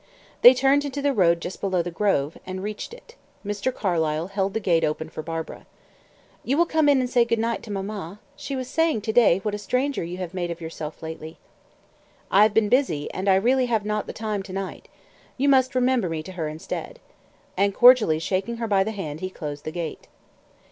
They turned into the road just below the grove, and reached it. Mr. Carlyle held the gate open for Barbara. "You will come in and say good night to mamma. She was saying to day what a stranger you have made of yourself lately." "I have been busy; and I really have not the time to night. You must remember me to her instead." And cordially shaking her by the hand, he closed the gate.